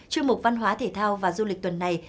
chuyên mục văn hóa thể thao và du lịch tuần này